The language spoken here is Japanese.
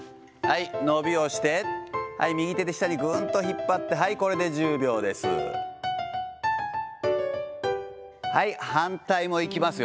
伸びをして、右手で下にぐーんと引っ張って、はい、これで１０秒です。